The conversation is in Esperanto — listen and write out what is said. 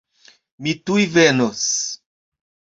Mi tuj venos.